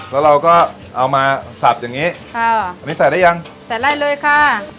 แล้วเราก็เอามาสับอย่างงี้ค่ะอันนี้ใส่ได้ยังใส่ได้เลยค่ะ